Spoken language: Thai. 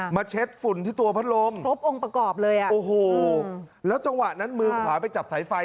เช็ดฝุ่นที่ตัวพัดลมครบองค์ประกอบเลยอ่ะโอ้โหแล้วจังหวะนั้นมือขวาไปจับสายไฟ